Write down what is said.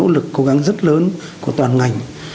và một sự cố gắng rất lớn của toàn ngành